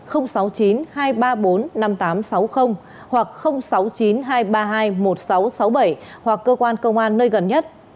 bốn năm nghìn tám trăm sáu mươi hoặc sáu mươi chín hai trăm ba mươi hai một nghìn sáu trăm sáu mươi bảy hoặc cơ quan công an nơi gần nhất